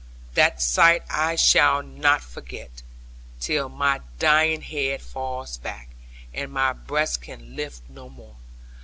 That sight I shall not forget; till my dying head falls back, and my breast can lift no more.